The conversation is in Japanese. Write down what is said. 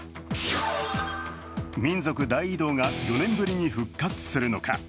民族大移動が４年ぶりに復活するのか。